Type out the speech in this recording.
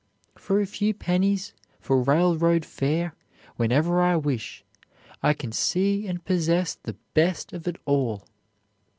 For a few pennies for railroad fare whenever I wish I can see and possess the best of it all.